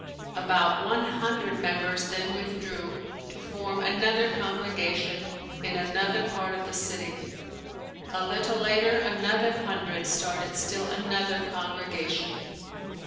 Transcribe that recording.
About one hundred members then withdrew to form another congregation in another part of the city. A little later another hundred started still another congregation.